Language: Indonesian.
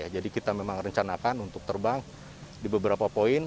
jadi kita memang rencanakan untuk terbang di beberapa poin